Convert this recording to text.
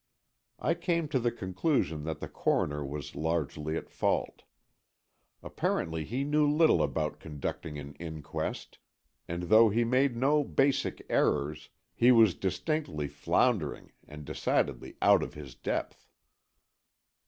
I came to the conclusion that the Coroner was largely at fault. Apparently he knew little about conducting an inquest, and though he made no basic errors, he was distinctly floundering and decidedly out of his depth.